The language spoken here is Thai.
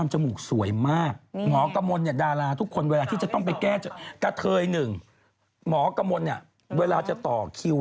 ระวังนะครับตอนนี้เข้าไปตัวล่ะครับ